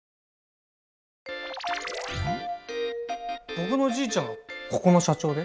僕のじいちゃんがここの社長で。